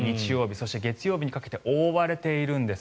そして月曜日にかけて覆われているんです。